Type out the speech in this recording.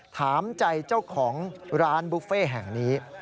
ถามใจเจ้าของร้านบุฟเฟ่แห่งนี้